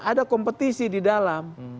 ada kompetisi di dalam